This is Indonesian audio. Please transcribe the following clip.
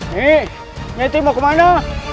nih nyeti mau kemana